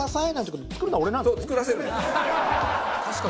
確かに。